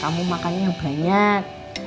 kamu makan banyak